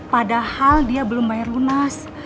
padahal dia belum bayar lunas